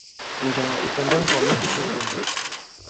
Njàā ì pɛ̀ndɛ i ŋkɔ̀ŋ itētē ì ponda.